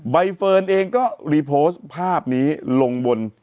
ใบเฟิร์นเองก็รีโพสต์ภาพนี้ลงบน